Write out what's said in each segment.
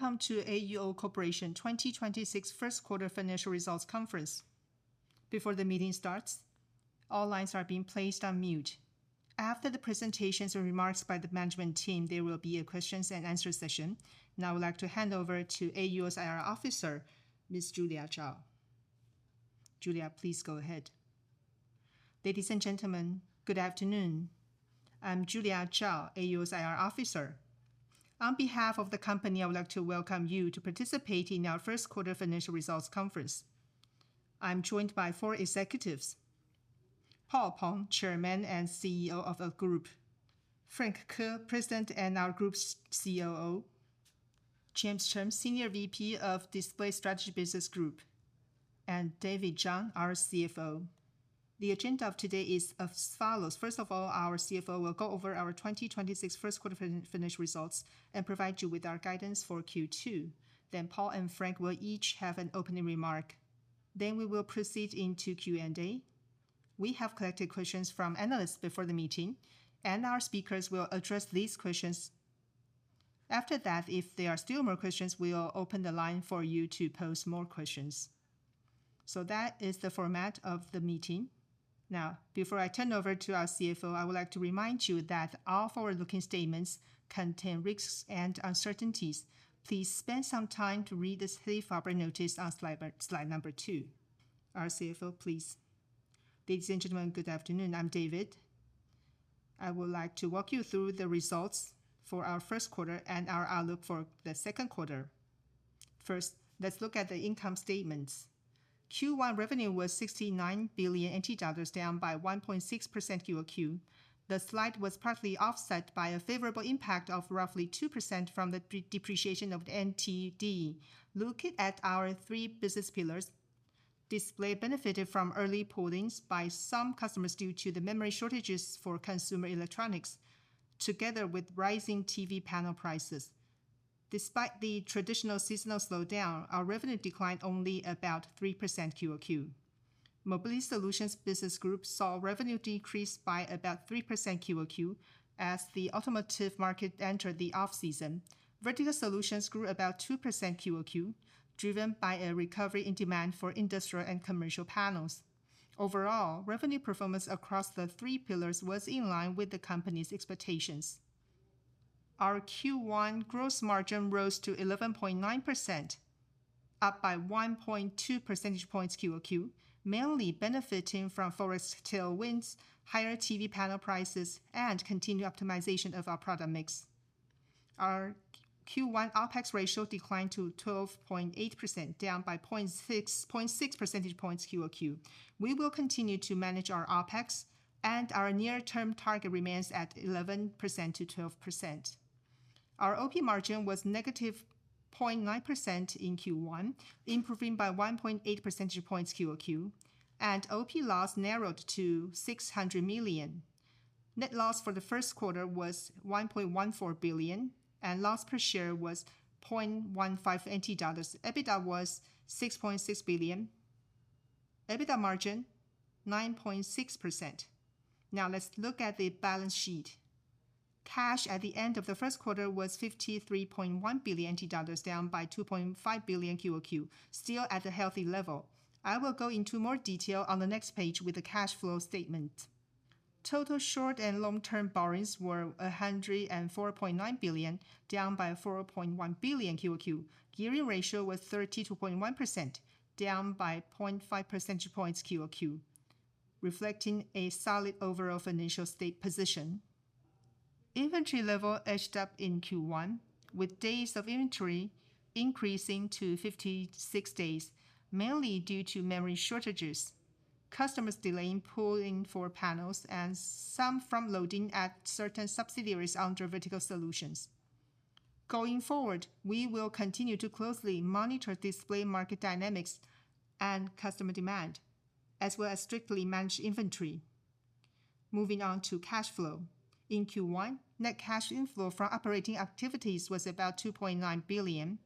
Welcome to AUO Corporation 2026 First Quarter Financial Results Conference. Before the meeting starts all lines have been placed on mute. After the presentation and remarks by the management team there will be an answer and question session. Now I would like to hand over to AUO's IR Officer, Ms. Julia Chao. Julia, please go ahead. Ladies and gentlemen, good afternoon. I'm Julia Chao, AUO's IR Officer. On behalf of the company, I would like to welcome you to participate in our first quarter financial results conference. I'm joined by four executives: Paul Peng, Chairman and CEO of our Group; Frank Ko, President and our Group's COO; James Chen, Senior VP of Display Strategy Business Group; and David Chang, our CFO. The agenda of today is as follows. Our CFO will go over our 2026 first quarter financial results and provide you with our guidance for Q2. Paul and Frank will each have an opening remark. We will proceed into Q&A. We have collected questions from analysts before the meeting. Our speakers will address these questions. If there are still more questions, we will open the line for you to pose more questions. That is the format of the meeting. Before I turn over to our CFO, I would like to remind you that all forward-looking statements contain risks and uncertainties. Please spend some time to read the Safe Harbor notice on slide number two. Our CFO, please. Ladies and gentlemen, good afternoon. I'm David. I would like to walk you through the results for our first quarter and our outlook for the second quarter. First, let's look at the income statements. Q1 revenue was 69 billion NT dollars, down by 1.6% QoQ. The decline was partly offset by a favorable impact of roughly 2% from the de-depreciation of the New Taiwan dollar. Looking at our three business pillars, Display benefited from early pullings by some customers due to the memory shortages for consumer electronics, together with rising TV panel prices. Despite the traditional seasonal slowdown, our revenue declined only about 3% QoQ. Mobility Solutions Business Group saw revenue decrease by about 3% QoQ as the automotive market entered the off-season. Vertical Solutions grew about 2% QoQ, driven by a recovery in demand for industrial and commercial panels. Overall, revenue performance across the three pillars was in line with the company's expectations. Our Q1 gross margin rose to 11.9%, up by 1.2 percentage points QoQ, mainly benefiting from forex tailwinds, higher TV panel prices, and continued optimization of our product mix. Our Q1 OpEx ratio declined to 12.8%, down by 0.6 percentage points QoQ. We will continue to manage our OpEx, and our near-term target remains at 11%-12%. Our OP margin was -0.9% in Q1, improving by 1.8 percentage points QoQ, and OP loss narrowed to 600 million. Net loss for the first quarter was 1.14 billion, and loss per share was 0.15 NT dollars. EBITDA was 6.6 billion. EBITDA margin, 9.6%. Now let's look at the balance sheet. Cash at the end of the first quarter was 53.1 billion dollars, down by 2.5 billion QoQ, still at a healthy level. I will go into more detail on the next page with the cash flow statement. Total short and long-term borrowings were 104.9 billion, down by 4.1 billion QoQ. Gearing ratio was 32.1%, down by 0.5 percentage points QoQ, reflecting a solid overall financial state position. Inventory level edged up in Q1, with days of inventory increasing to 56 days, mainly due to memory shortages, customers delaying pulling for panels, and some front-loading at certain subsidiaries under Vertical Solutions. Going forward, we will continue to closely monitor display market dynamics and customer demand, as well as strictly manage inventory. Moving on to cash flow. In Q1, net cash inflow from operating activities was about 2.9 billion.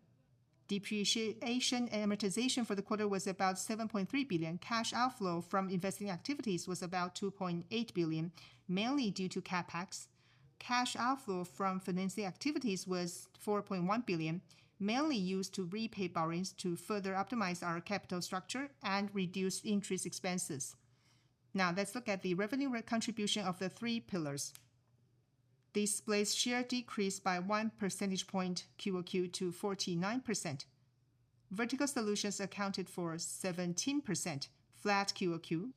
Depreciation and amortization for the quarter was about 7.3 billion. Cash outflow from investing activities was about 2.8 billion, mainly due to CapEx. Cash outflow from financing activities was 4.1 billion, mainly used to repay borrowings to further optimize our capital structure and reduce interest expenses. Now let's look at the revenue contribution of the three pillars. Display's share decreased by 1 percentage point QoQ to 49%. Vertical Solutions accounted for 17%, flat QoQ.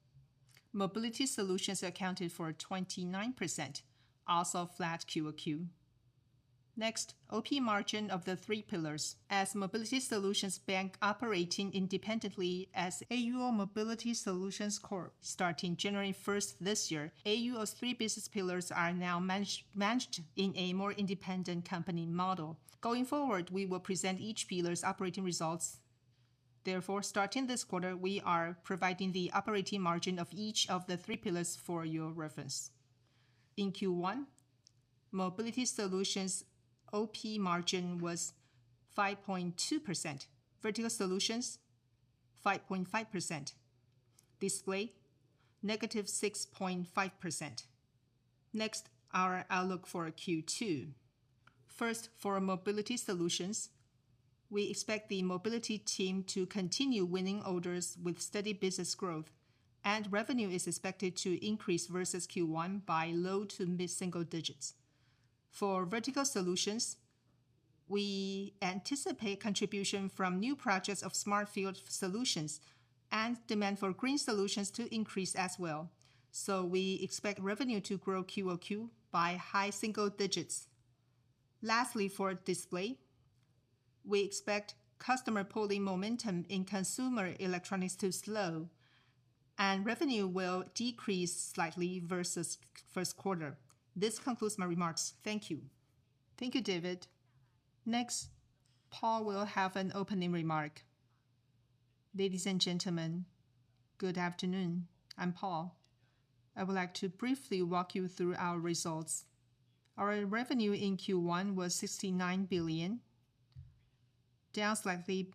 Mobility Solutions accounted for 29%, also flat QoQ. Next, OP margin of the three pillars. As Mobility Solutions began operating independently as AUO Mobility Solutions Corp, starting January first this year, AUO's three business pillars are now managed in a more independent company model. Going forward, we will present each pillar's operating results. Therefore, starting this quarter, we are providing the operating margin of each of the three pillars for your reference. In Q1, Mobility Solutions OP margin was 5.2%. Vertical Solutions 5.5%. Display, -6.5%. Next, our outlook for Q2. First, for Mobility Solutions, we expect the mobility team to continue winning orders with steady business growth, and revenue is expected to increase versus Q1 by low to mid-single digits. For Vertical Solutions, we anticipate contribution from new projects of smart field solutions and demand for green solutions to increase as well. We expect revenue to grow QoQ by high single digits. Lastly, for Display, we expect customer pulling momentum in consumer electronics to slow and revenue will decrease slightly versus first quarter. This concludes my remarks. Thank you. Thank you, David. Next, Paul will have an opening remark. Ladies and gentlemen, good afternoon. I'm Paul. I would like to briefly walk you through our results. Our revenue in Q1 was 69 billion, down slightly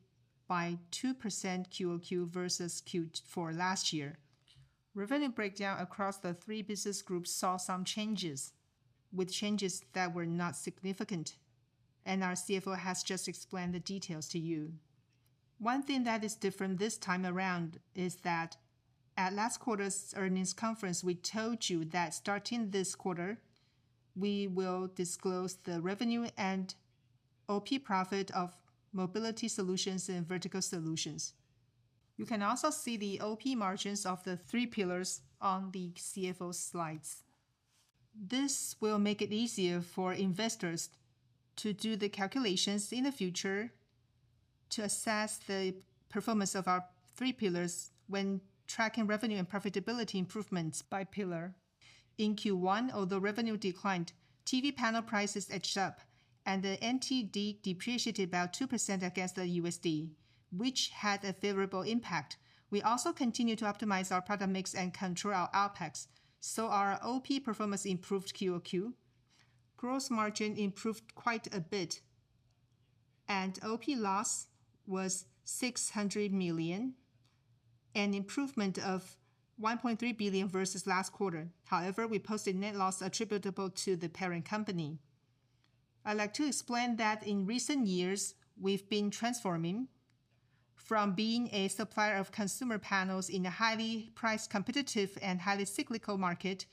by 2% QoQ versus Q4 last year. Revenue breakdown across the three business groups saw some changes, with changes that were not significant. Our CFO has just explained the details to you. One thing that is different this time around is that at last quarter's earnings conference, we told you that starting this quarter, we will disclose the revenue and OP profit of Mobility Solutions and Vertical Solutions. You can also see the OP margins of the three pillars on the CFO's slides. This will make it easier for investors to do the calculations in the future to assess the performance of our three pillars when tracking revenue and profitability improvements by pillar. In Q1, although revenue declined, TV panel prices edged up and the New Taiwan dollar depreciated about 2% against the U.S. dollar, which had a favorable impact. We also continue to optimize our product mix and control our OpEx, so our OP performance improved QoQ. Gross margin improved quite a bit, and OP loss was 600 million, an improvement of 1.3 billion versus last quarter. However, we posted net loss attributable to the parent company. I'd like to explain that in recent years, we've been transforming from being a supplier of consumer panels in a highly price competitive and highly cyclical market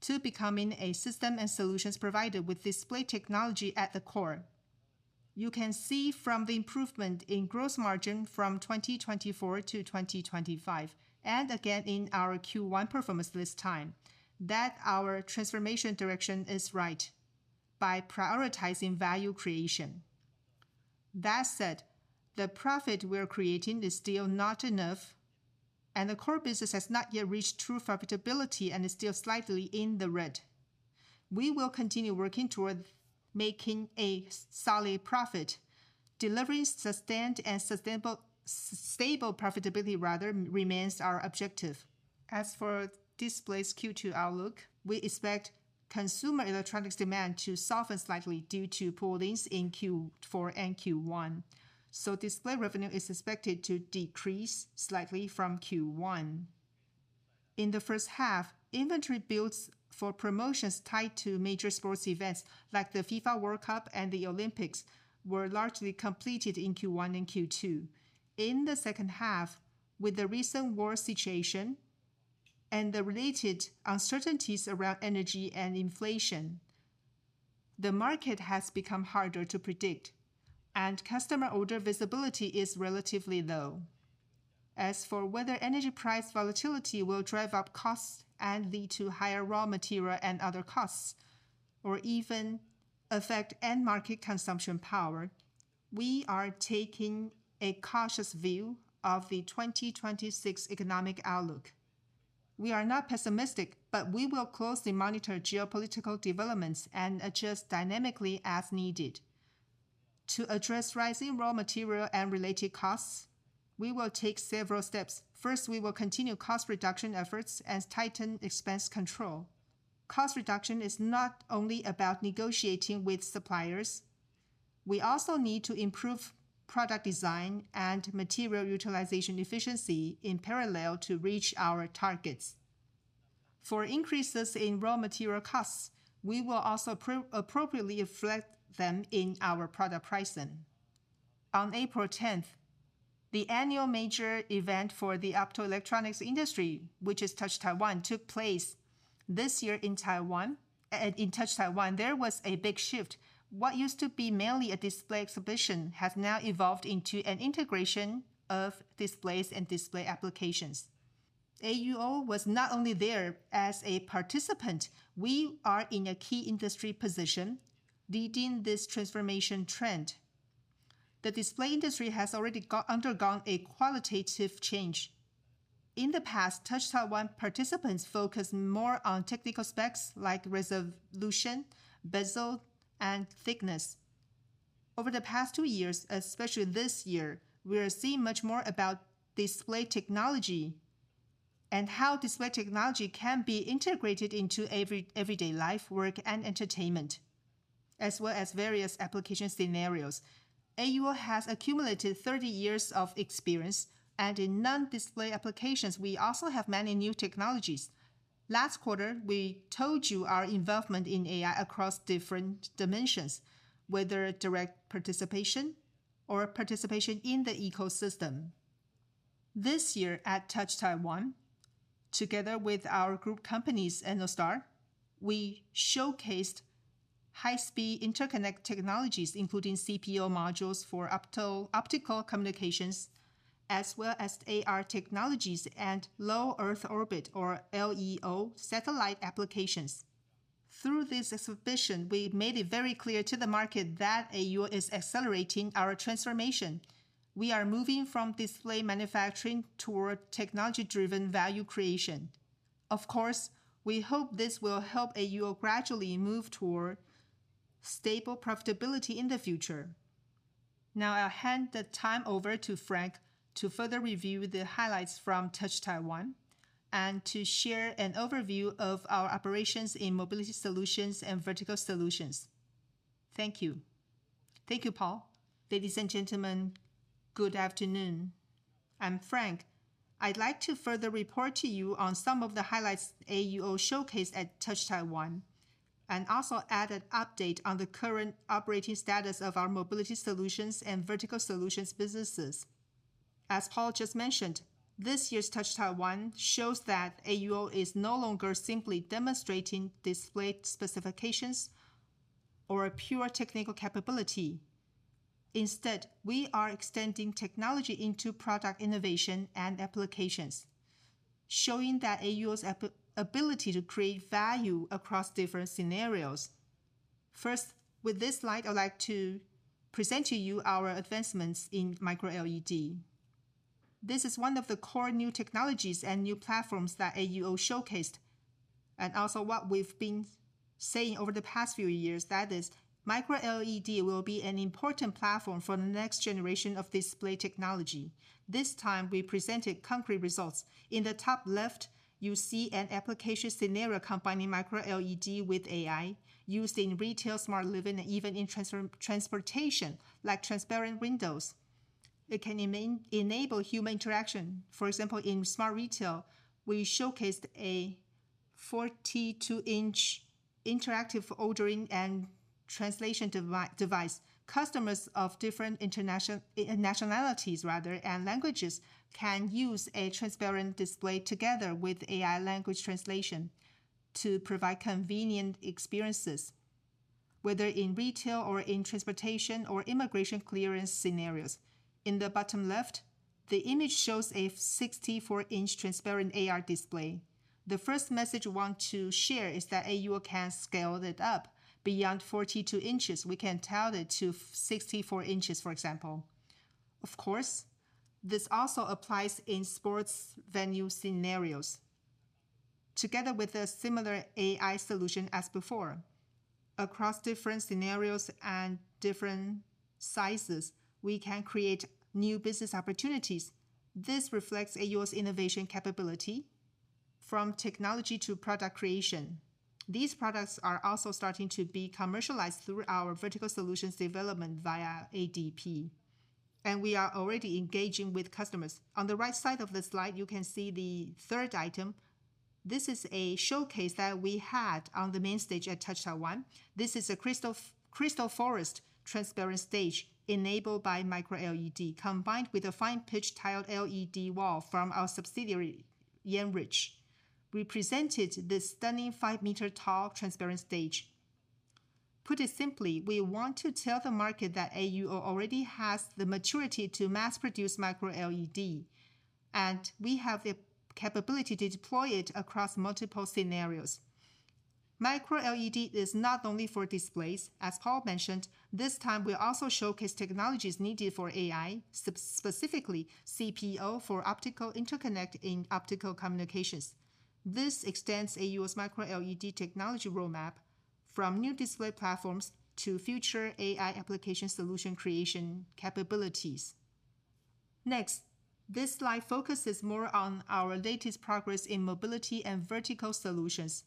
to becoming a system and solutions provider with display technology at the core. You can see from the improvement in gross margin from 2024 to 2025, and again in our Q1 performance this time, that our transformation direction is right by prioritizing value creation. That said, the profit we're creating is still not enough. The core business has not yet reached true profitability and is still slightly in the red. We will continue working toward making a solid profit. Delivering sustained and stable profitability, rather, remains our objective. As for Display's Q2 outlook, we expect consumer electronics demand to soften slightly due to pullings in Q4 and Q1. Display revenue is expected to decrease slightly from Q1. In the first half, inventory builds for promotions tied to major sports events like the FIFA World Cup and the Olympics were largely completed in Q1 and Q2. In the second half, with the recent war situation and the related uncertainties around energy and inflation, the market has become harder to predict, and customer order visibility is relatively low. As for whether energy price volatility will drive up costs and lead to higher raw material and other costs, or even affect end market consumption power, we are taking a cautious view of the 2026 economic outlook. We are not pessimistic, but we will closely monitor geopolitical developments and adjust dynamically as needed. To address rising raw material and related costs, we will take several steps. First, we will continue cost reduction efforts and tighten expense control. Cost reduction is not only about negotiating with suppliers. We also need to improve product design and material utilization efficiency in parallel to reach our targets. For increases in raw material costs, we will also appropriately reflect them in our product pricing. On April 10th, the annual major event for the optoelectronics industry, which is Touch Taiwan, took place. This year in Touch Taiwan, there was a big shift. What used to be mainly a display exhibition has now evolved into an integration of displays and display applications. AUO was not only there as a participant, we are in a key industry position leading this transformation trend. The display industry has already undergone a qualitative change. In the past, Touch Taiwan participants focused more on technical specs like resolution, bezel, and thickness. Over the past two years, especially this year, we are seeing much more about display technology and how display technology can be integrated into everyday life, work, and entertainment, as well as various application scenarios. AUO has accumulated 30 years of experience, and in non-display applications, we also have many new technologies. Last quarter, we told you our involvement in AI across different dimensions, whether direct participation or participation in the ecosystem. This year at Touch Taiwan, together with our group companies and Ennostar, we showcased high-speed interconnect technologies, including CPO modules for opto-optical communications, as well as AR technologies and low Earth orbit, or LEO, satellite applications. Through this exhibition, we made it very clear to the market that AUO is accelerating our transformation. We are moving from display manufacturing toward technology-driven value creation. Of course, we hope this will help AUO gradually move toward stable profitability in the future. Now, I'll hand the time over to Frank to further review the highlights from Touch Taiwan and to share an overview of our operations in Mobility Solutions and Vertical Solutions. Thank you. Thank you, Paul. Ladies and gentlemen, good afternoon. I'm Frank. I'd like to further report to you on some of the highlights AUO showcased at Touch Taiwan, and also add an update on the current operating status of our Mobility Solutions and Vertical Solutions businesses. As Paul just mentioned, this year's Touch Taiwan shows that AUO is no longer simply demonstrating display specifications or pure technical capability. Instead, we are extending technology into product innovation and applications, showing that AUO's ability to create value across different scenarios. First, with this slide, I'd like to present to you our advancements in Micro-LED. This is one of the core new technologies and new platforms that AUO showcased, and also what we've been saying over the past few years, that is, Micro-LED will be an important platform for the next generation of display technology. This time, we presented concrete results. In the top left, you see an application scenario combining Micro-LED with AI used in retail, smart living, and even in transportation, like transparent windows. It can enable human interaction. For example, in smart retail, we showcased a 42-in interactive ordering and translation device. Customers of different nationalities rather, and languages can use a transparent display together with AI language translation to provide convenient experiences, whether in retail or in transportation or immigration clearance scenarios. In the bottom left, the image shows a 64-in transparent AR display. The first message we want to share is that AUO can scale it up beyond 42 in. We can tile it to 64 in, for example. Of course, this also applies in sports venue scenarios. Together with a similar AI solution as before, across different scenarios and different sizes, we can create new business opportunities. This reflects AUO's innovation capability from technology to product creation. These products are also starting to be commercialized through our Vertical Solutions development via ADP, and we are already engaging with customers. On the right side of the slide, you can see the third item. This is a showcase that we had on the main stage at Touch Taiwan. This is a crystal forest transparent stage enabled by Micro-LED, combined with a fine-pitch tiled LED wall from our subsidiary, Yenrich. We presented this stunning 5-m-tall transparent stage. Put it simply, we want to tell the market that AUO already has the maturity to mass-produce Micro-LED, and we have the capability to deploy it across multiple scenarios. Micro-LED is not only for displays. As Paul mentioned, this time we also showcased technologies needed for AI, specifically CPO for optical interconnect in optical communications. This extends AUO's Micro-LED technology roadmap from new display platforms to future AI application solution creation capabilities. Next, this slide focuses more on our latest progress in Mobility Solutions and Vertical Solutions.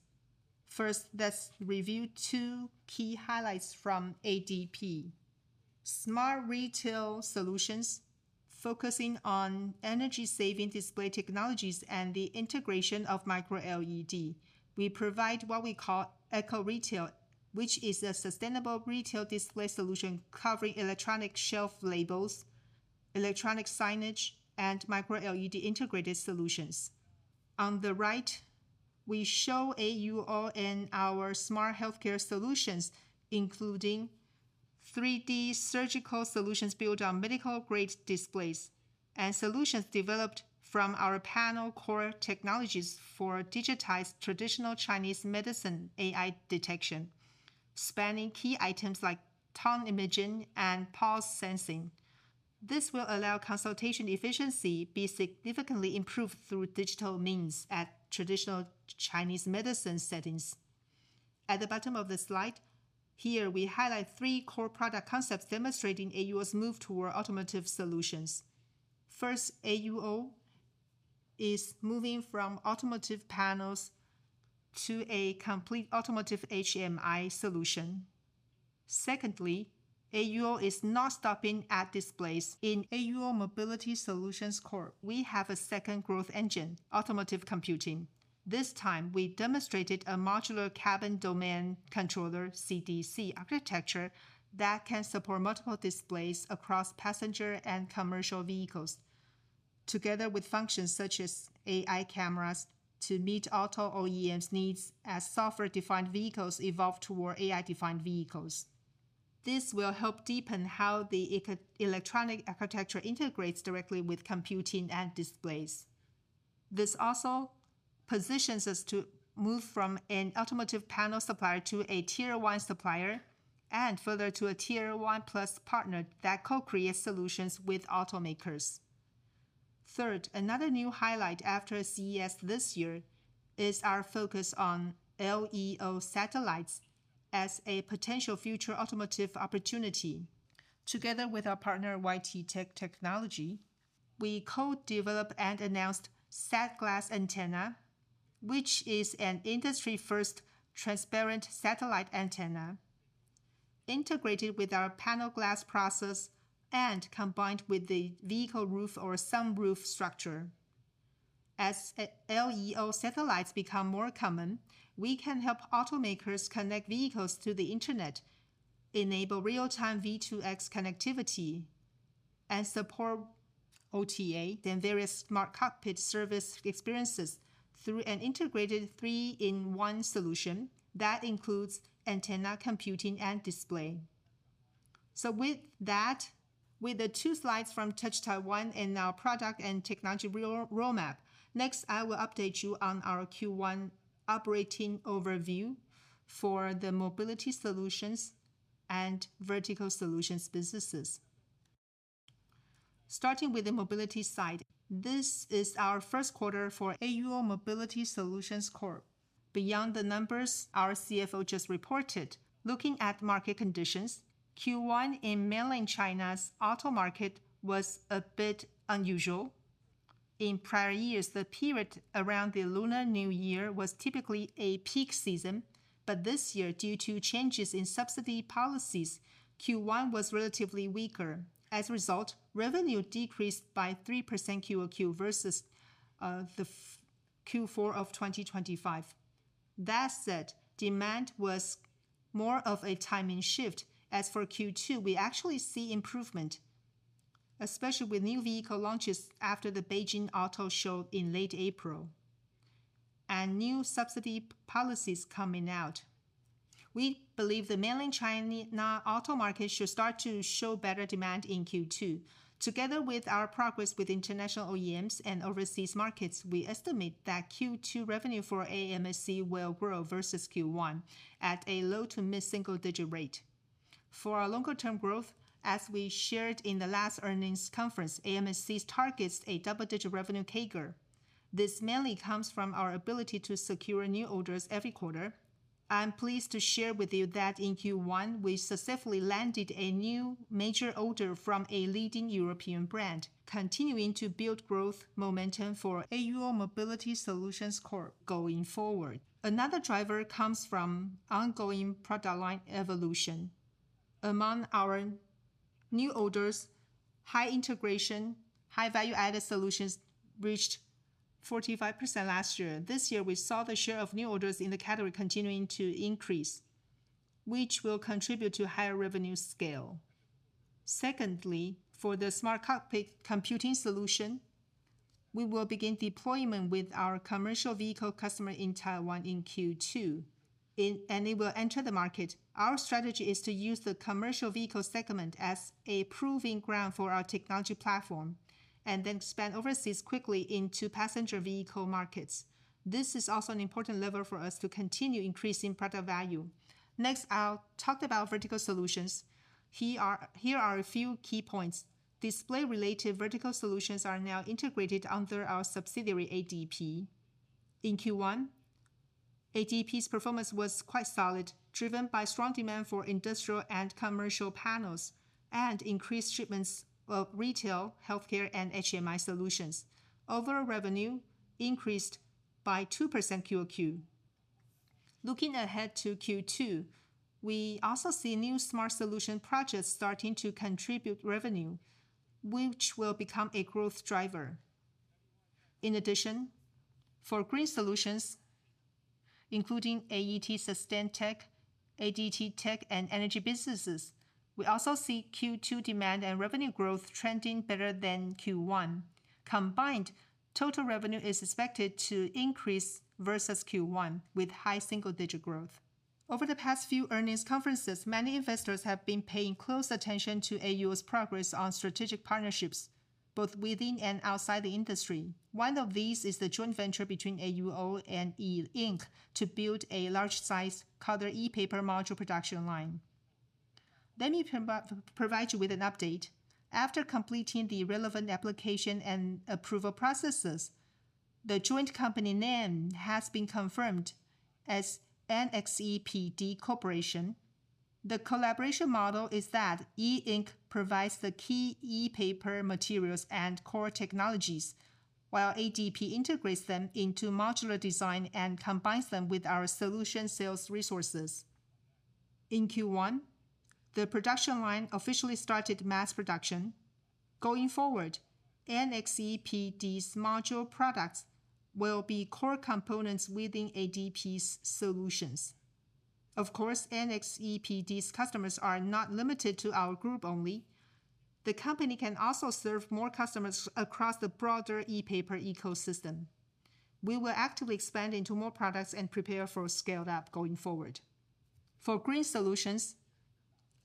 First, let's review two key highlights from ADP. smart retail solutions focusing on energy-saving display technologies and the integration of Micro-LED. We provide what we call AecoRetail, which is a sustainable retail display solution covering electronic shelf labels, electronic signage, and Micro-LED integrated solutions. On the right, we show AUO and our smart healthcare solutions, including 3D surgical solutions built on medical-grade displays and solutions developed from our panel core technologies for digitized traditional Chinese medicine AI detection, spanning key items like tongue imaging and pulse sensing. This will allow consultation efficiency be significantly improved through digital means at traditional Chinese medicine settings. At the bottom of the slide, here we highlight three core product concepts demonstrating AUO's move toward automotive solutions. First, AUO is moving from automotive panels to a complete automotive HMI solution. Secondly, AUO is not stopping at displays. In AUO Mobility Solutions Corp, we have a second growth engine, automotive computing. This time, we demonstrated a modular cabin domain controller, CDC, architecture that can support multiple displays across passenger and commercial vehicles, together with functions such as AI cameras to meet auto OEMs needs as software-defined vehicles evolve toward AI-defined vehicles. This will help deepen how the E/E architecture integrates directly with computing and displays. This also positions us to move from an automotive panel supplier to a tier one supplier, and further to a tier one plus partner that co-creates solutions with automakers. Third, another new highlight after CES this year is our focus on LEO satellites as a potential future automotive opportunity. Together with our partner YTTEK Technology, we co-develop and announced SatGlass Antenna, which is an industry first transparent satellite antenna, integrated with our panel glass process and combined with the vehicle roof or sunroof structure. As LEO satellites become more common, we can help automakers connect vehicles to the internet, enable real-time V2X connectivity, and support OTA, then various smart cockpit service experiences through an integrated three-in-one solution that includes antenna computing and display. With that, with the two slides from Touch Taiwan and our product and technology roadmap, next, I will update you on our Q1 operating overview for the Mobility Solutions and Vertical Solutions businesses. Starting with the Mobility Solutions side, this is our first quarter for AUO Mobility Solutions Corporation. Beyond the numbers our CFO just reported, looking at market conditions, Q1 in Mainland China's auto market was a bit unusual. In prior years, the period around the Lunar New Year was typically a peak season. This year, due to changes in subsidy policies, Q1 was relatively weaker. As a result, revenue decreased by 3% QoQ versus Q4 of 2025. That said, demand was more of a timing shift. As for Q2, we actually see improvement, especially with new vehicle launches after the Beijing Auto Show in late April, and new subsidy policies coming out. We believe the Mainland China auto market should start to show better demand in Q2. Together with our progress with international OEMs and overseas markets, we estimate that Q2 revenue for AMSC will grow versus Q1 at a low- to mid-single digit rate. For our longer term growth, as we shared in the last earnings conference, AMSC targets a double-digit revenue CAGR. This mainly comes from our ability to secure new orders every quarter. I'm pleased to share with you that in Q1, we successfully landed a new major order from a leading European brand, continuing to build growth momentum for AUO Mobility Solutions Corp going forward. Another driver comes from ongoing product line evolution. Among our new orders, high integration, high value-added solutions reached 45% last year. This year, we saw the share of new orders in the category continuing to increase, which will contribute to higher revenue scale. Secondly, for the smart cockpit computing solution, we will begin deployment with our commercial vehicle customer in Taiwan in Q2. It will enter the market. Our strategy is to use the commercial vehicle segment as a proving ground for our technology platform, and then expand overseas quickly into passenger vehicle markets. This is also an important lever for us to continue increasing product value. Next, I'll talk about Vertical Solutions. Here are a few key points. Display related vertical solutions are now integrated under our subsidiary, ADP. In Q1, ADP's performance was quite solid, driven by strong demand for industrial and commercial panels and increased shipments of retail, healthcare, and HMI solutions. Overall revenue increased by 2% QoQ. Looking ahead to Q2, we also see new smart solution projects starting to contribute revenue, which will become a growth driver. In addition, for green solutions, including AuE sustain tech, ADTTech, and energy businesses, we also see Q2 demand and revenue growth trending better than Q1. Combined, total revenue is expected to increase versus Q1 with high single-digit growth. Over the past few earnings conferences, many investors have been paying close attention to AUO's progress on strategic partnerships, both within and outside the industry. One of these is the joint venture between AUO and E Ink to build a large size color ePaper module production line. Let me provide you with an update. After completing the relevant application and approval processes, the joint company name has been confirmed as NXEPD Corporation. The collaboration model is that E Ink provides the key ePaper materials and core technologies, while ADP integrates them into modular design and combines them with our solution sales resources. In Q1, the production line officially started mass production. Going forward, NXEPD's module products will be core components within ADP's solutions. Of course, NXEPD's customers are not limited to our group only. The company can also serve more customers across the broader ePaper ecosystem. We will actively expand into more products and prepare for a scale-up going forward. For Green Solutions,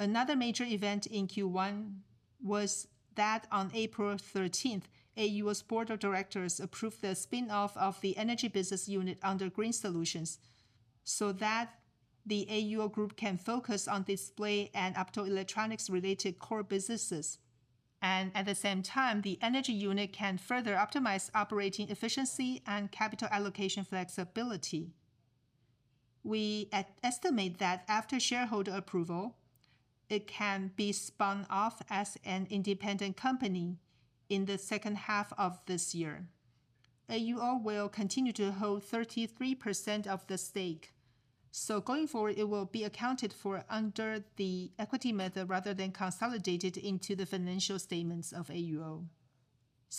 another major event in Q1 was that on April 13th, AUO's board of directors approved the spin-off of the energy business unit under Green Solutions so that the AUO group can focus on display and optoelectronics-related core businesses. At the same time, the energy unit can further optimize operating efficiency and capital allocation flexibility. We estimate that after shareholder approval, it can be spun off as an independent company in the second half of this year. AUO will continue to hold 33% of the stake, so going forward it will be accounted for under the equity method rather than consolidated into the financial statements of AUO.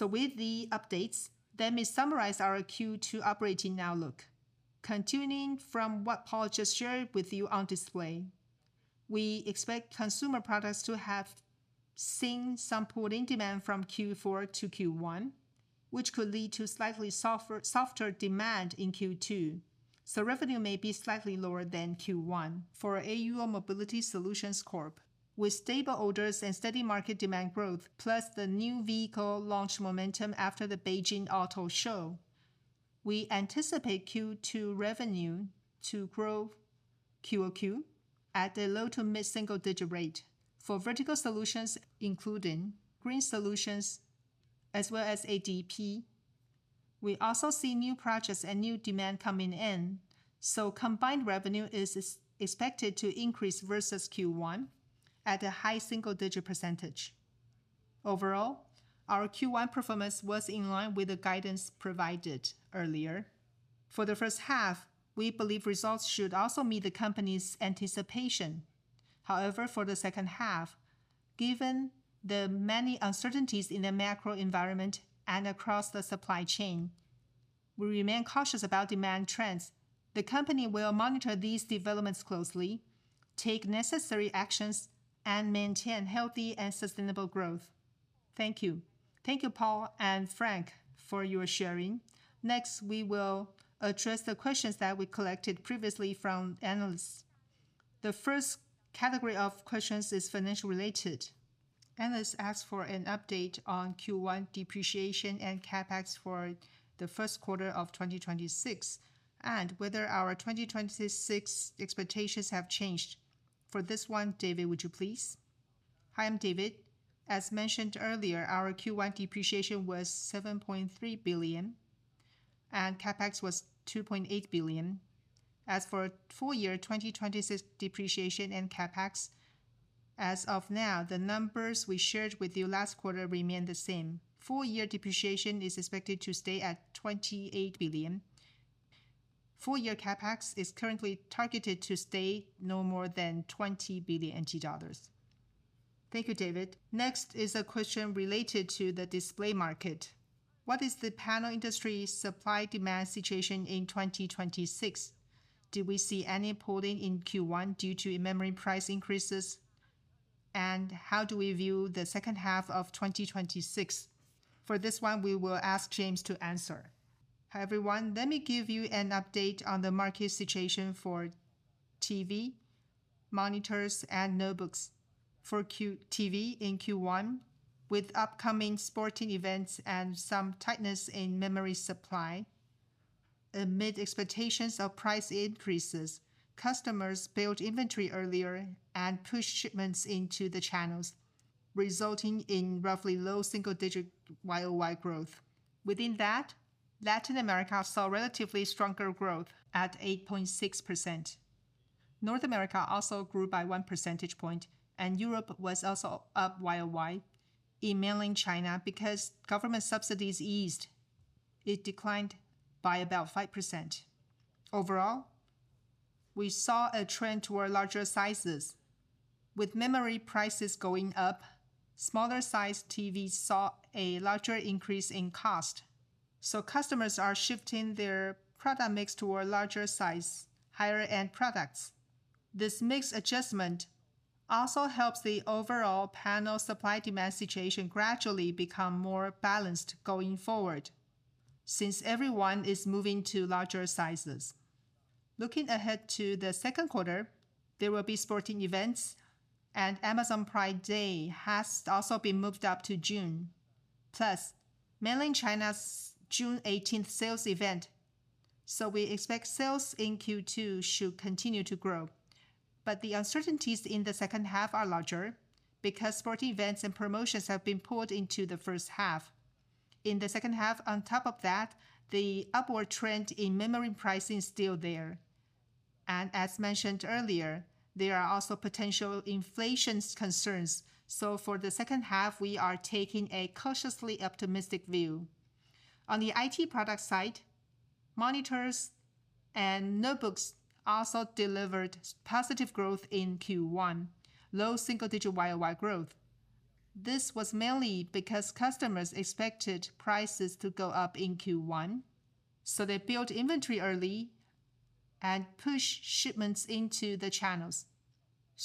With the updates, let me summarize our Q2 operating outlook. Continuing from what Paul just shared with you on display, we expect consumer products to have seen some pull-in demand from Q4 to Q1, which could lead to slightly softer demand in Q2. Revenue may be slightly lower than Q1. For AUO Mobility Solutions Corporation, with stable orders and steady market demand growth, plus the new vehicle launch momentum after the Beijing Auto Show, we anticipate Q2 revenue to grow QoQ at a low- to mid-single-digit rate. For Vertical Solutions, including Green Solutions as well as ADP, we also see new projects and new demand coming in. Combined revenue is expected to increase versus Q1 at a high single-digit percentage. Overall, our Q1 performance was in line with the guidance provided earlier. For the first half, we believe results should also meet the company's anticipation. For the second half, given the many uncertainties in the macro environment and across the supply chain, we remain cautious about demand trends. The company will monitor these developments closely, take necessary actions, and maintain healthy and sustainable growth. Thank you. Thank you, Paul and Frank, for your sharing. We will address the questions that we collected previously from analysts. The first category of questions is financial related. Analysts asked for an update on Q1 depreciation and CapEx for the first quarter of 2026, and whether our 2026 expectations have changed. For this one, David, would you please? Hi, I'm David. As mentioned earlier, our Q1 depreciation was 7.3 billion, and CapEx was 2.8 billion. As for full year 2026 depreciation and CapEx, as of now, the numbers we shared with you last quarter remain the same. Full year depreciation is expected to stay at 28 billion. Full year CapEx is currently targeted to stay no more than 20 billion dollars. Thank you, David. Next is a question related to the display market. What is the panel industry supply-demand situation in 2026? Did we see any pull-in in Q1 due to memory price increases? How do we view the second half of 2026? For this one, we will ask James to answer. Hi, everyone. Let me give you an update on the market situation for TV, monitors, and notebooks. For Q1 TV in Q1, with upcoming sporting events and some tightness in memory supply, amid expectations of price increases, customers built inventory earlier and pushed shipments into the channels, resulting in roughly low single-digit YoY growth. Within that, Latin America saw relatively stronger growth at 8.6%. North America also grew by 1 percentage point. Europe was also up YoY. In mainland China, because government subsidies eased, it declined by about 5%. Overall, we saw a trend toward larger sizes. With memory prices going up, smaller sized TVs saw a larger increase in cost. Customers are shifting their product mix toward larger size, higher end products. This mix adjustment also helps the overall panel supply demand situation gradually become more balanced going forward, since everyone is moving to larger sizes. Looking ahead to the second quarter, there will be sporting events, and Amazon Prime Day has also been moved up to June. Mainland China's June 18th sales event. We expect sales in Q2 should continue to grow. The uncertainties in the second half are larger because sporting events and promotions have been pulled into the first half. In the second half, on top of that, the upward trend in memory pricing is still there. As mentioned earlier, there are also potential inflation concerns. For the second half, we are taking a cautiously optimistic view. On the IT product side, monitors and notebooks also delivered positive growth in Q1, low single-digit YoY growth. This was mainly because customers expected prices to go up in Q1, so they built inventory early and pushed shipments into the channels.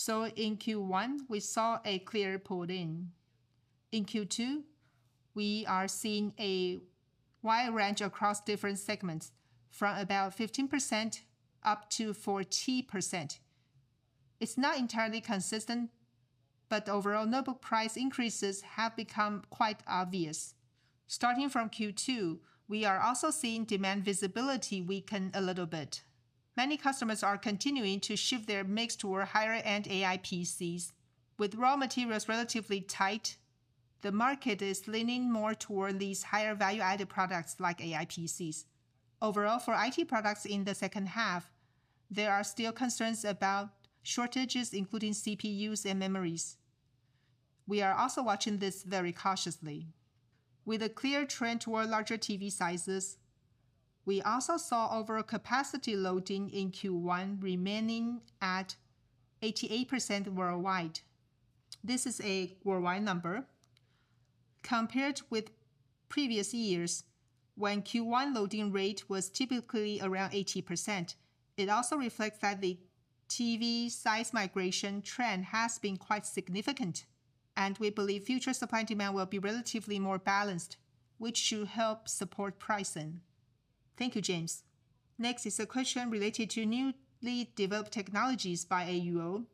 In Q1, we saw a clear pull in. In Q2, we are seeing a wide range across different segments, from about 15% up to 40%. It's not entirely consistent, but overall notebook price increases have become quite obvious. Starting from Q2, we are also seeing demand visibility weaken a little bit. Many customers are continuing to shift their mix toward higher-end AI PCs. With raw materials relatively tight, the market is leaning more toward these higher value-added products like AI PCs. Overall, for IT products in the second half, there are still concerns about shortages, including CPUs and memories. We are also watching this very cautiously. With a clear trend toward larger TV sizes, we also saw overall capacity loading in Q1 remaining at 88% worldwide. This is a worldwide number. Compared with previous years, when Q1 loading rate was typically around 80%, it also reflects that the TV size migration trend has been quite significant, and we believe future supply and demand will be relatively more balanced, which should help support pricing. Thank you, James. Next is a question related to newly developed technologies by AUO.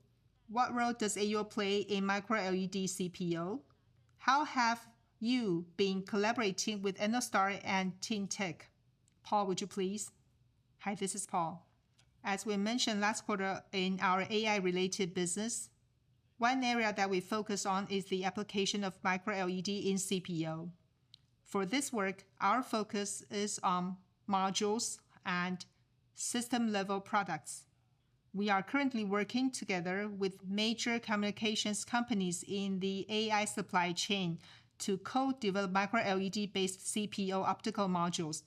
What role does AUO play in Micro-LED CPO? How have you been collaborating with Ennostar and Tyntek? Paul, would you please? Hi, this is Paul. As we mentioned last quarter in our AI-related business, one area that we focus on is the application of Micro-LED in CPO. For this work, our focus is on modules and system-level products. We are currently working together with major communications companies in the AI supply chain to co-develop Micro-LED-based CPO optical modules,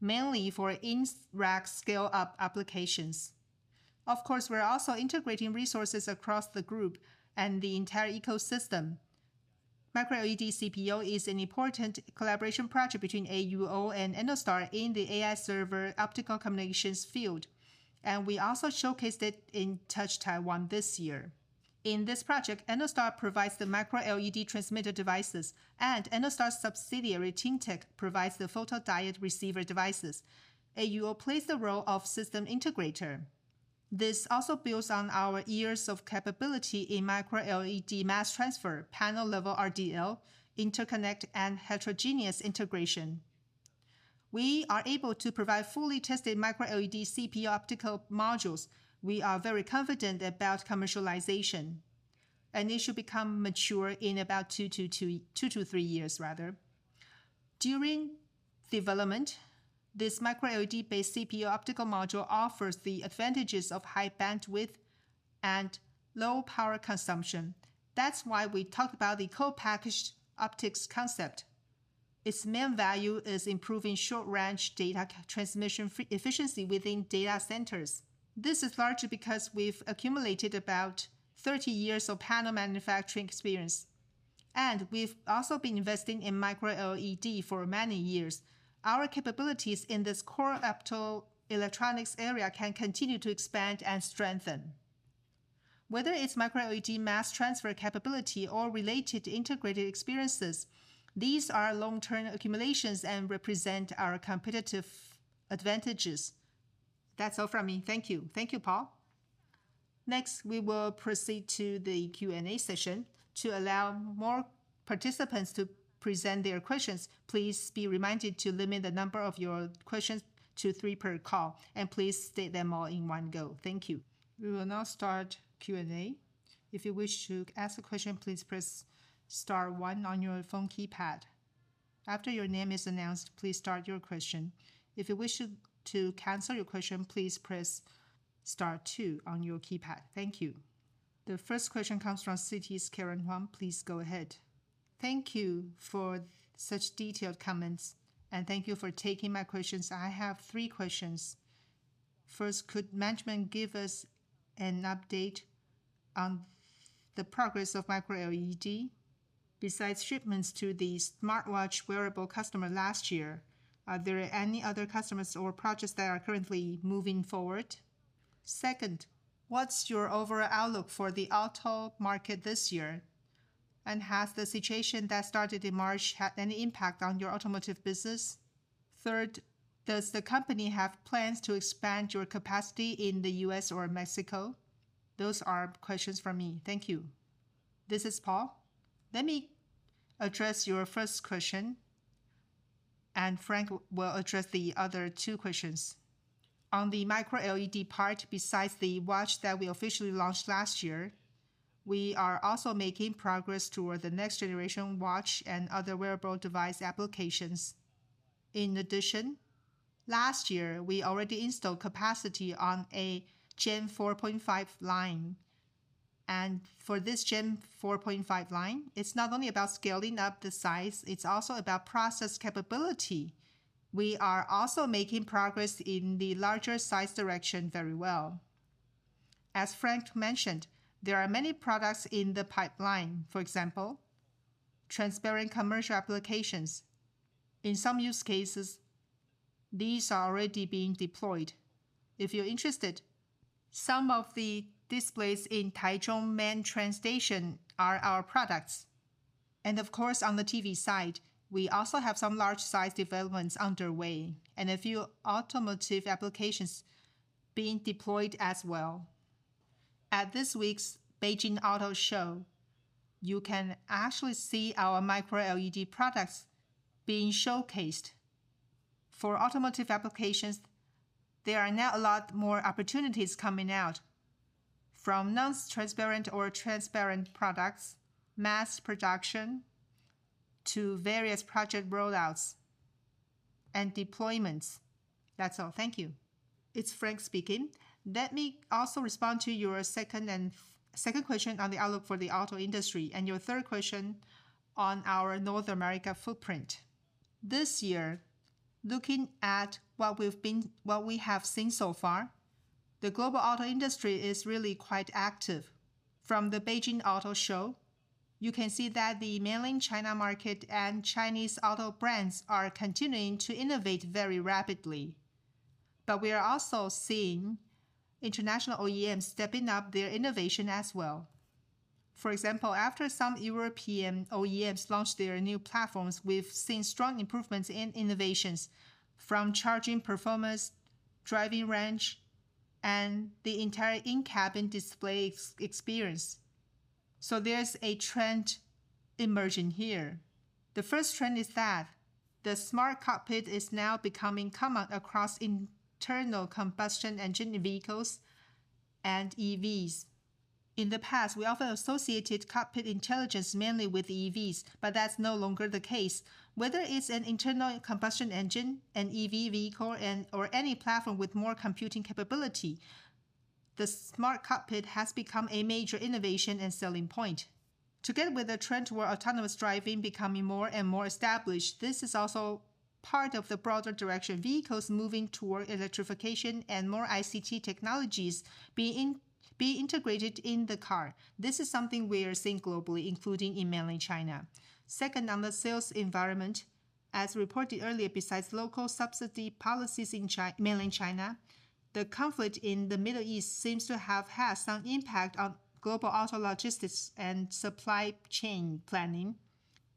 mainly for in-rack scale-up applications. Of course, we're also integrating resources across the group and the entire ecosystem. Micro-LED CPO is an important collaboration project between AUO and Ennostar in the AI server optical communications field, and we also showcased it in Touch Taiwan this year. In this project, Ennostar provides the Micro-LED transmitter devices, and Ennostar's subsidiary, Tyntek, provides the photodiode receiver devices. AUO plays the role of system integrator. This also builds on our years of capability in Micro-LED mass transfer, panel level RDL, interconnect, and heterogeneous integration. We are able to provide fully tested Micro-LED CPO optical modules. We are very confident about commercialization, and it should become mature in about two to three years rather. During development, this Micro-LED-based CPO optical module offers the advantages of high bandwidth and low power consumption. That's why we talk about the co-packaged optics concept. Its main value is improving short-range data transmission efficiency within data centers. This is largely because we've accumulated about 30 years of panel manufacturing experience, and we've also been investing in Micro-LED for many years. Our capabilities in this core optoelectronics area can continue to expand and strengthen. Whether it's Micro-LED mass transfer capability or related integrated experiences, these are long-term accumulations and represent our competitive advantages. That's all from me. Thank you. Thank you, Paul. We will proceed to the Q&A session. To allow more participants to present their questions, please be reminded to limit the number of your questions to three per call, and please state them all in one go. Thank you. We will now start Q&A. If you wish to ask question please press star one nine on your phone keypad. After your name is announced please start your question. If you wish to cancel your question please press star two on your keypad. Thank you. The first question comes from Citi's Karen Huang. Please go ahead. Thank you for such detailed comments, and thank you for taking my questions. I have three questions. First, could management give us an update on the progress of Micro-LED? Besides shipments to the smartwatch wearable customer last year, are there any other customers or projects that are currently moving forward? Second, what's your overall outlook for the auto market this year? And has the situation that started in March had any impact on your automotive business? Third, does the company have plans to expand your capacity in the U.S. or Mexico? Those are questions from me. Thank you. This is Paul. Let me address your first question. Frank will address the other two questions. On the Micro-LED part, besides the watch that we officially launched last year, we are also making progress toward the next generation watch and other wearable device applications. In addition, last year, we already installed capacity on a Gen 4.5 line. For this Gen 4.5 line, it's not only about scaling up the size, it's also about process capability. We are also making progress in the larger size direction very well. Frank mentioned, there are many products in the pipeline. For example, transparent commercial applications. In some use cases, these are already being deployed. If you're interested, some of the displays in Taichung Main Train Station are our products. Of course, on the TV side, we also have some large size developments underway, and a few automotive applications being deployed as well. At this week's Beijing Auto Show, you can actually see our Micro-LED products being showcased. For automotive applications, there are now a lot more opportunities coming out, from non-transparent or transparent products, mass production, to various project rollouts and deployments. That's all. Thank you. It's Frank speaking. Let me also respond to your second question on the outlook for the auto industry, and your third question on our North America footprint. This year, looking at what we have seen so far, the global auto industry is really quite active. From the Beijing Auto Show, you can see that the mainland China market and Chinese auto brands are continuing to innovate very rapidly. We are also seeing international OEMs stepping up their innovation as well. For example, after some European OEMs launched their new platforms, we've seen strong improvements in innovations, from charging performance, driving range, and the entire in-cabin display experience. There's a trend emerging here. The first trend is that the smart cockpit is now becoming common across internal combustion engine vehicles and EVs. In the past, we often associated cockpit intelligence mainly with EVs, but that's no longer the case. Whether it's an internal combustion engine, an EV vehicle, or any platform with more computing capability, the smart cockpit has become a major innovation and selling point. Together with the trend toward autonomous driving becoming more and more established, this is also part of the broader direction vehicles moving toward electrification and more ICT technologies being integrated in the car. This is something we are seeing globally, including in mainland China. Second, on the sales environment, as reported earlier, besides local subsidy policies in mainland China, the conflict in the Middle East seems to have had some impact on global auto logistics and supply chain planning.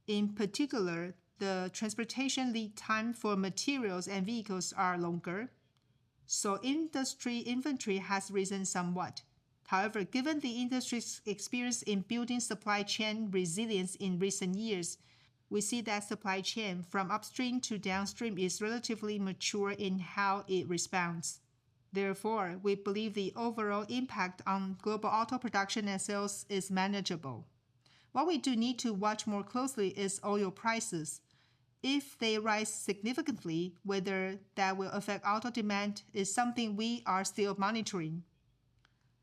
In particular, the transportation lead time for materials and vehicles are longer, so industry inventory has risen somewhat. Given the industry's experience in building supply chain resilience in recent years, we see that supply chain from upstream to downstream is relatively mature in how it responds. We believe the overall impact on global auto production and sales is manageable. What we do need to watch more closely is oil prices. If they rise significantly, whether that will affect auto demand is something we are still monitoring.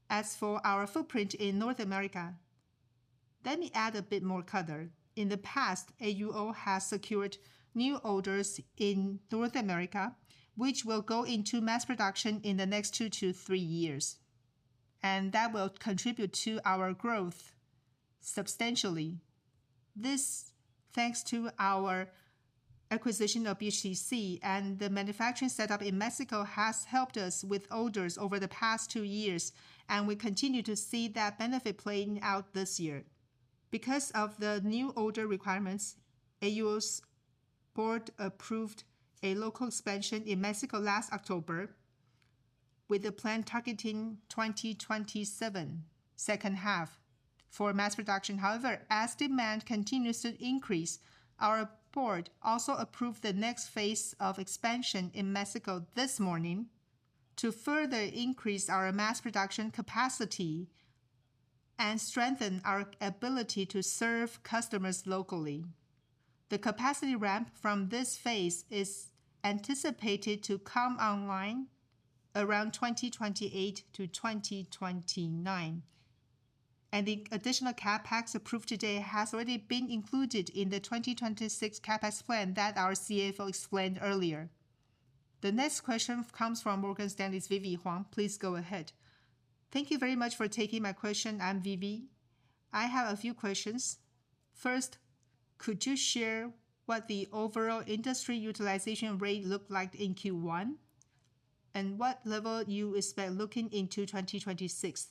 As for our footprint in North America, let me add a bit more color. In the past, AUO has secured new orders in North America, which will go into mass production in the next two to three years, and that will contribute to our growth substantially. This, thanks to our acquisition of BHTC, and the manufacturing setup in Mexico has helped us with orders over the past two years, and we continue to see that benefit playing out this year. Because of the new order requirements, AUO's board approved a local expansion in Mexico last October, with the plan targeting 2027, second half, for mass production. However, as demand continues to increase, our board also approved the next phase of expansion in Mexico this morning to further increase our mass production capacity and strengthen our ability to serve customers locally. The capacity ramp from this phase is anticipated to come online around 2028 to 2029. The additional CapEx approved today has already been included in the 2026 CapEx plan that our CFO explained earlier. The next question comes from Morgan Stanley's Vivi Huang. Please go ahead. Thank you very much for taking my question. I'm Vivi. I have a few questions. First, could you share what the overall industry utilization rate looked like in Q1, and what level you expect looking into 2026?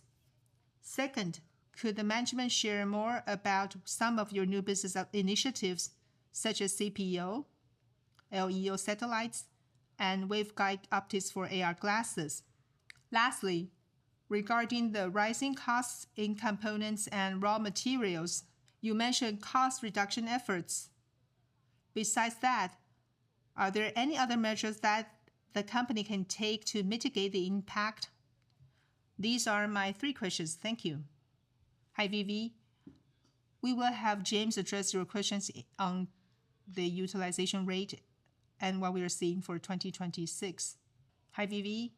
Second, could the management share more about some of your new business initiatives, such as CPO, LEO satellites, and waveguide optics for AR glasses. Lastly, regarding the rising costs in components and raw materials, you mentioned cost reduction efforts. Besides that, are there any other measures that the company can take to mitigate the impact? These are my three questions. Thank you. Hi, Vivi. We will have James address your questions on the utilization rate and what we are seeing for 2026. Hi, Vivi.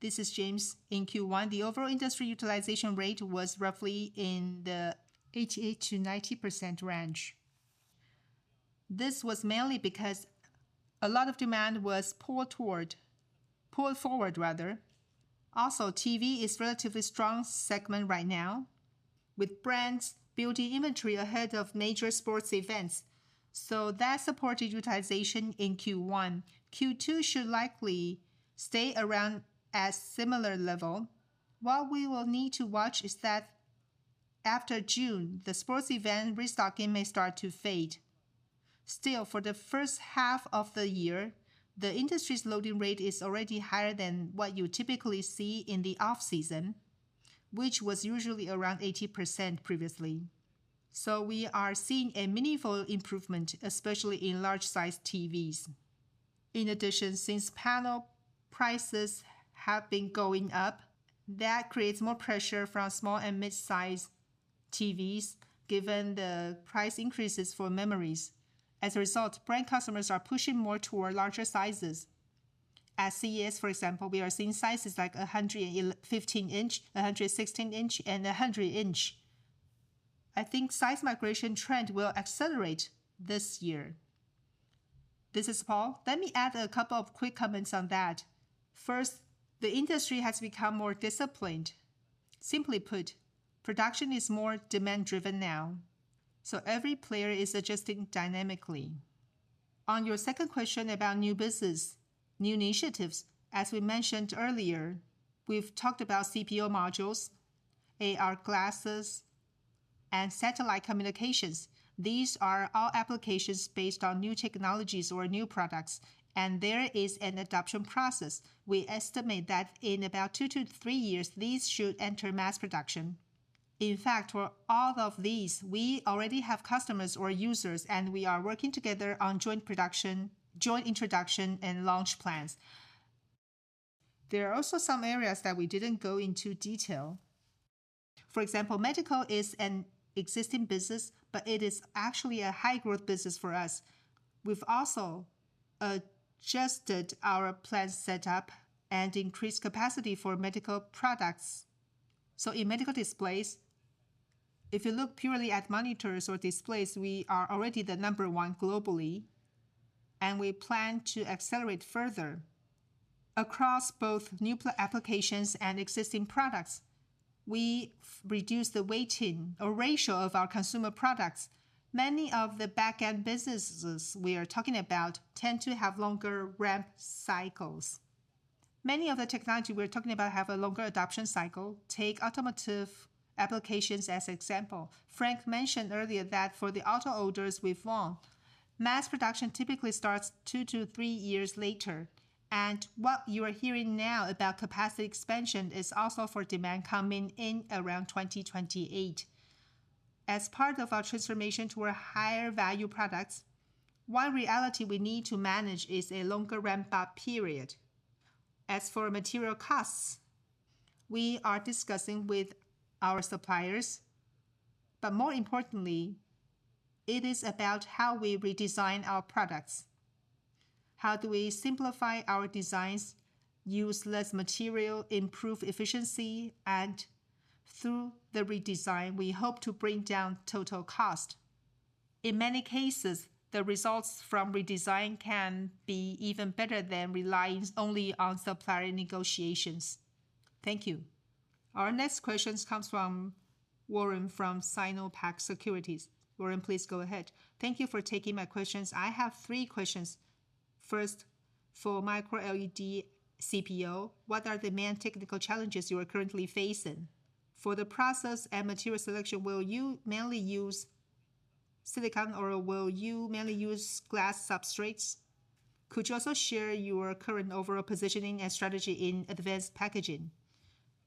This is James. In Q1, the overall industry utilization rate was roughly in the 88%-90% range. This was mainly because a lot of demand was pulled forward, rather. TV is relatively strong segment right now, with brands building inventory ahead of major sports events. That supported utilization in Q1. Q2 should likely stay around as similar level. What we will need to watch is that after June, the sports event restocking may start to fade. For the first half of the year, the industry's loading rate is already higher than what you typically see in the off-season, which was usually around 80% previously. We are seeing a meaningful improvement, especially in large sized TVs. In addition, since panel prices have been going up, that creates more pressure from small and mid-size TVs given the price increases for memories. As a result, brand customers are pushing more toward larger sizes. At CES, for example, we are seeing sizes like 115 in, 116 in, and 100 in. I think size migration trend will accelerate this year. This is Paul. Let me add a couple of quick comments on that. First, the industry has become more disciplined. Simply put, production is more demand driven now, so every player is adjusting dynamically. On your second question about new business, new initiatives, as we mentioned earlier, we've talked about CPO modules, AR glasses, and satellite communications. These are all applications based on new technologies or new products, and there is an adoption process. We estimate that in about two to three years, these should enter mass production. For all of these, we already have customers or users, and we are working together on joint production, joint introduction, and launch plans. There are also some areas that we didn't go into detail. Medical is an existing business, but it is actually a high growth business for us. We've also adjusted our plant setup and increased capacity for medical products. In medical displays, if you look purely at monitors or displays, we are already the number one globally, and we plan to accelerate further. Across both new applications and existing products, we reduce the weighting or ratio of our consumer products. Many of the back-end businesses we are talking about tend to have longer ramp cycles. Many of the technology we're talking about have a longer adoption cycle. Take automotive applications as example. Frank mentioned earlier that for the auto orders we've won, mass production typically starts two to three years later. What you are hearing now about capacity expansion is also for demand coming in around 2028. As part of our transformation to a higher value products, one reality we need to manage is a longer ramp-up period. As for material costs, we are discussing with our suppliers, but more importantly, it is about how we redesign our products. How do we simplify our designs, use less material, improve efficiency, and through the redesign, we hope to bring down total cost. In many cases, the results from redesign can be even better than relying only on supplier negotiations. Thank you. Our next questions comes from Warren from SinoPac Securities. Warren, please go ahead. Thank you for taking my questions. I have three questions. First, for Micro-LED CPO, what are the main technical challenges you are currently facing? For the process and material selection, will you mainly use silicon, or will you mainly use glass substrates? Could you also share your current overall positioning and strategy in advanced packaging?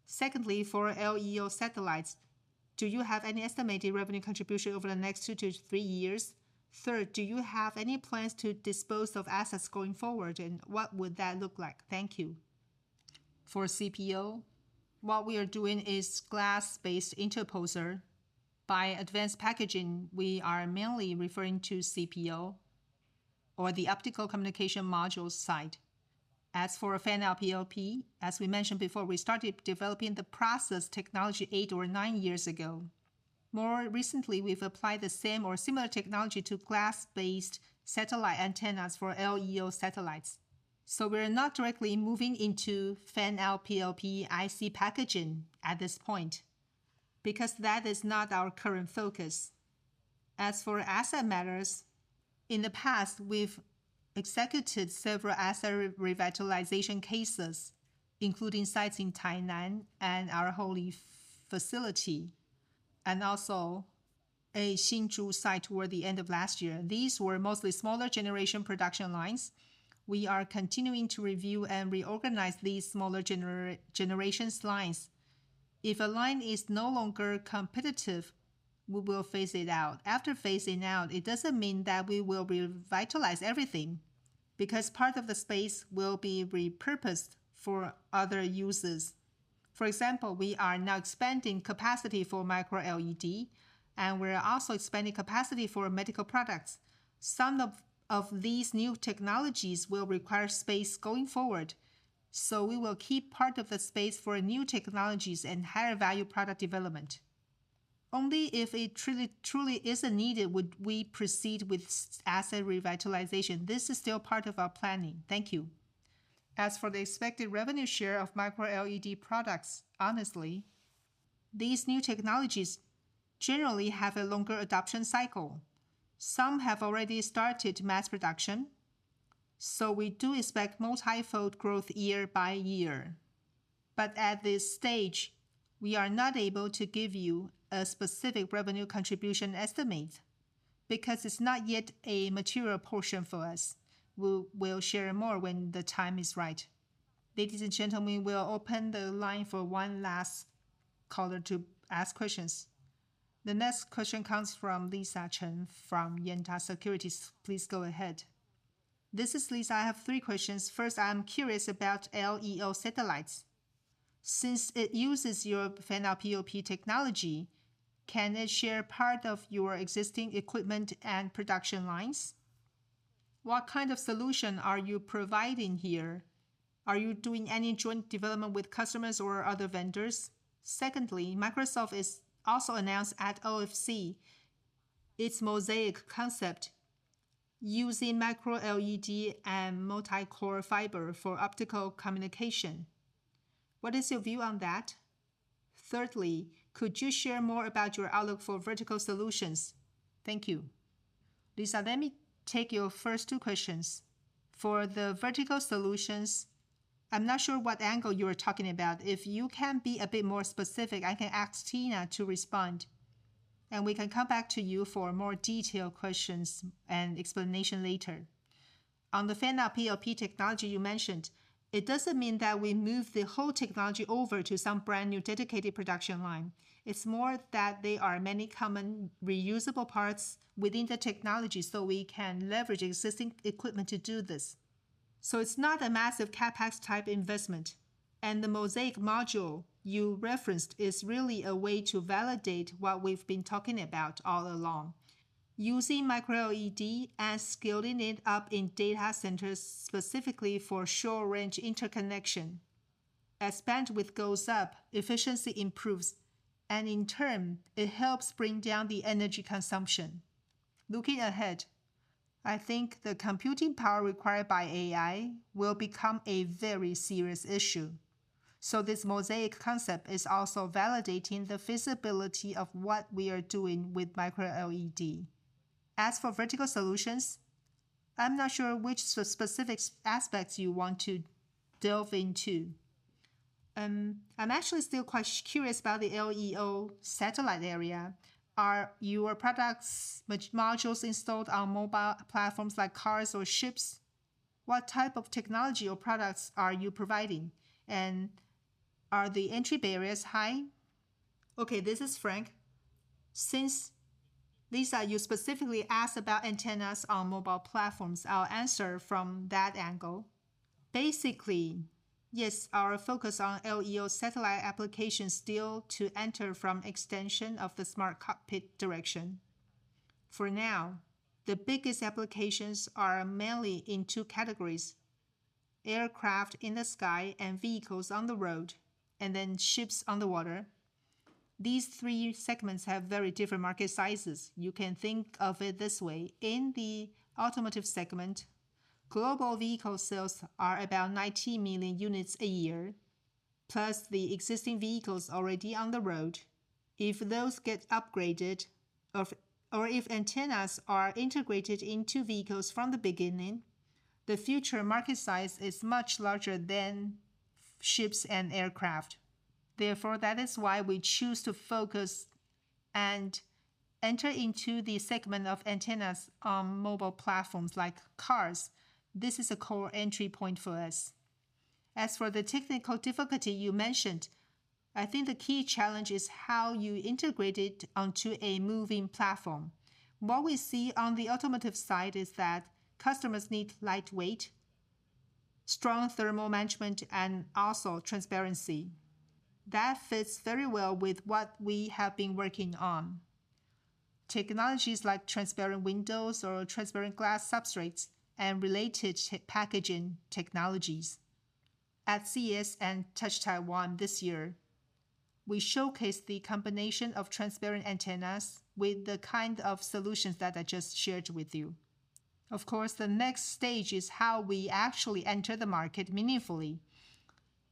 Secondly, for LEO satellites, do you have any estimated revenue contribution over the next two to three years? Third, do you have any plans to dispose of assets going forward, and what would that look like? Thank you. For CPO, what we are doing is glass-based interposer. By advanced packaging, we are mainly referring to CPO or the optical communication module side. As for fan-out PLP, as we mentioned before, we started developing the process technology eight or nine years ago. More recently, we've applied the same or similar technology to glass-based satellite antennas for LEO satellites. We're not directly moving into fan-out PLP IC packaging at this point because that is not our current focus. As for asset matters, in the past, we've executed several asset revitalization cases, including sites in Tainan and our Houli facility. And also a Hsinchu site toward the end of last year. These were mostly smaller generation production lines. We are continuing to review and reorganize these smaller generations lines. If a line is no longer competitive, we will phase it out. After phasing out, it doesn't mean that we will revitalize everything, because part of the space will be repurposed for other uses. For example, we are now expanding capacity for Micro-LED, and we're also expanding capacity for medical products. Some of these new technologies will require space going forward, so we will keep part of the space for new technologies and higher value product development. Only if it truly is needed would we proceed with asset revitalization. This is still part of our planning. Thank you. As for the expected revenue share of Micro-LED products, honestly, these new technologies generally have a longer adoption cycle. Some have already started mass production, we do expect multi-fold growth year by year. At this stage, we are not able to give you a specific revenue contribution estimate because it's not yet a material portion for us. We'll share more when the time is right. Ladies and gentlemen, we'll open the line for one last caller to ask questions. The next question comes from Lisa Chen from Yuanta Securities. Please go ahead. This is Lisa. I have three questions. First, I'm curious about LEO satellites. Since it uses your fan-out PLP technology, can it share part of your existing equipment and production lines? What kind of solution are you providing here? Are you doing any joint development with customers or other vendors? Secondly, Microsoft is also announced at OFC its Mosaic concept using Micro-LED and multicore fiber for optical communication. What is your view on that? Thirdly, could you share more about your outlook for Vertical Solutions? Thank you. Lisa, let me take your first two questions. For the Vertical Solutions, I'm not sure what angle you are talking about. If you can be a bit more specific, I can ask Tina to respond, and we can come back to you for more detailed questions and explanation later. On the fan-out PLP technology you mentioned, it doesn't mean that we move the whole technology over to some brand-new dedicated production line. It's more that there are many common reusable parts within the technology, so we can leverage existing equipment to do this. It's not a massive CapEx type investment. The Mosaic module you referenced is really a way to validate what we've been talking about all along, using Micro-LED and scaling it up in data centers specifically for short-range interconnection. As bandwidth goes up, efficiency improves, and in turn it helps bring down the energy consumption. Looking ahead, I think the computing power required by AI will become a very serious issue. This Mosaic concept is also validating the feasibility of what we are doing with Micro-LED. As for Vertical Solutions, I'm not sure which specific aspects you want to delve into. I'm actually still quite curious about the LEO satellite area. Are your products, modules installed on mobile platforms like cars or ships? What type of technology or products are you providing? Are the entry barriers high? Okay, this is Frank. Since, Lisa, you specifically asked about antennas on mobile platforms, I'll answer from that angle. Basically, yes, our focus on LEO satellite applications still to enter from extension of the smart cockpit direction. For now, the biggest applications are mainly in two categories: aircraft in the sky and vehicles on the road, and then ships on the water. These three segments have very different market sizes. You can think of it this way. In the automotive segment, global vehicle sales are about 90 million units a year, plus the existing vehicles already on the road. If those get upgraded, or if antennas are integrated into vehicles from the beginning, the future market size is much larger than ships and aircraft. Therefore, that is why we choose to focus and enter into the segment of antennas on mobile platforms like cars. This is a core entry point for us. As for the technical difficulty you mentioned, I think the key challenge is how you integrate it onto a moving platform. What we see on the automotive side is that customers need lightweight, strong thermal management, and also transparency. That fits very well with what we have been working on. Technologies like transparent windows or transparent glass substrates and related packaging technologies. At CES and Touch Taiwan this year, we showcased the combination of transparent antennas with the kind of solutions that I just shared with you. The next stage is how we actually enter the market meaningfully.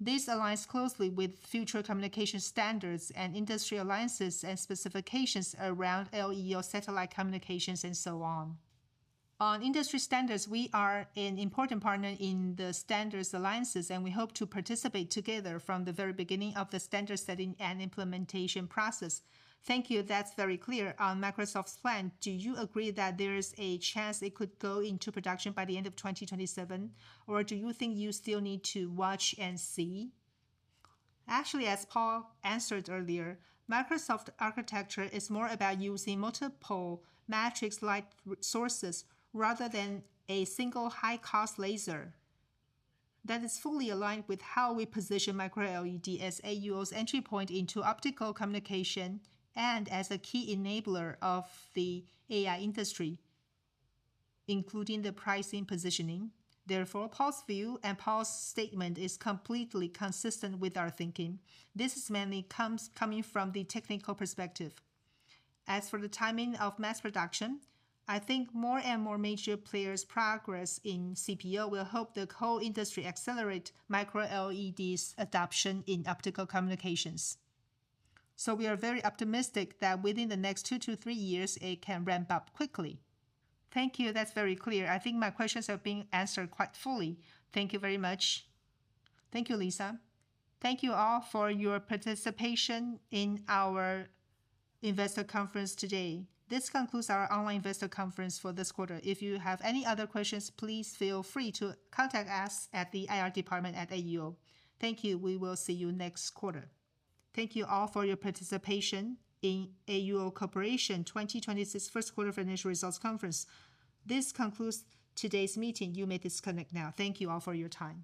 This aligns closely with future communication standards and industry alliances and specifications around LEO satellite communications and so on. On industry standards, we are an important partner in the standards alliances, and we hope to participate together from the very beginning of the standard setting and implementation process. Thank you. That's very clear. On Microsoft's plan, do you agree that there's a chance it could go into production by the end of 2027, or do you think you still need to watch and see? Actually, as Paul answered earlier, Microsoft architecture is more about using multiple matrix light sources rather than a single high-cost laser. That is fully aligned with how we position Micro-LED as AUO's entry point into optical communication and as a key enabler of the AI industry, including the pricing positioning. Paul's view and Paul's statement is completely consistent with our thinking. This is mainly coming from the technical perspective. As for the timing of mass production, I think more and more major players' progress in CPO will help the whole industry accelerate Micro-LED's adoption in optical communications. We are very optimistic that within the next two to three years it can ramp up quickly. Thank you. That's very clear. I think my questions have been answered quite fully. Thank you very much. Thank you, Lisa. Thank you all for your participation in our investor conference today. This concludes our online investor conference for this quarter. If you have any other questions, please feel free to contact us at the IR department at AUO. Thank you. We will see you next quarter. Thank you all for your participation in AUO Corporation 2026 first quarter financial results conference. This concludes today's meeting. You may disconnect now. Thank you all for your time.